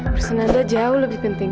urusan nanda jauh lebih penting